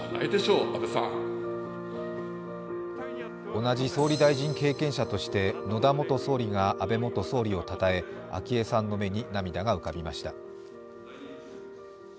同じ総理大臣経験者として野田元総理が安倍元総理をたたえ、昭恵さんの目に涙が浮かびました。